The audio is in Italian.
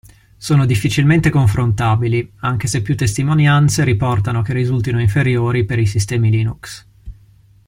Sono difficilmente confrontabili, anche se più testimonianze riportano che risultino inferiori per i sistemi Linux.